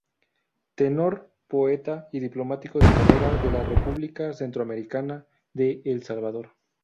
Tenor, Poeta y Diplomático de Carrera de la República Centroamericana de El Salvador.